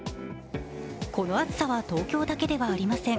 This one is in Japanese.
この暑さは東京だけではありません。